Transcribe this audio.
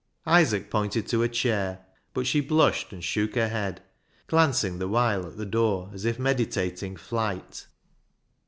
Isaac pointed to a chair, but she blushed and shook her head, glancing the while at the door as if meditating flight.